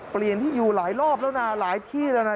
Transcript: เปลี่ยนที่อยู่หลายรอบแล้วนะหลายที่แล้วนะ